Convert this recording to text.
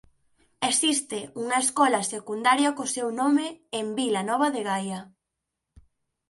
Existe unha escola secundaria co seu nome en Vila Nova de Gaia.